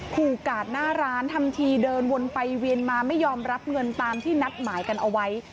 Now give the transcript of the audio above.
ขู่กาดหน้าร้านทำทีเดินวนไปเวียนมาไม่ยอมรับเงินตามที่นัดหมายกันเอาไว้